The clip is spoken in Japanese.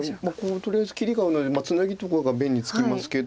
とりあえず切りがあるのでツナギとかが目につきますけど。